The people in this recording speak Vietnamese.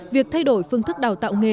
việc thay đổi phương thức đào tạo nghề